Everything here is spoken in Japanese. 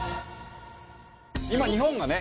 今日本がね